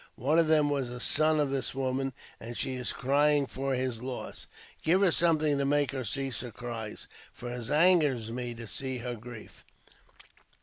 One of them was a son of this woman, and she is crying for his loss. Give her something to make her cease her cries, for it angers me to see her grief."